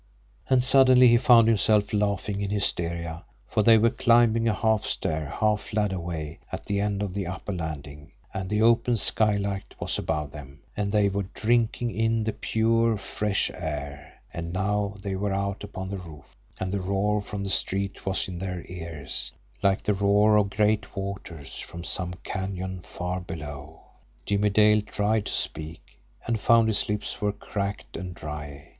And suddenly he found himself laughing in hysteria for they were climbing a half stair, half ladderway at the end of the upper landing, and the open skylight was above them, and they were drinking in the pure, fresh air and now they were out upon the roof, and the roar from the street was in their ears, like the roar of great waters from some canyon far below. Jimmie Dale tried to speak, and found his lips were cracked and dry.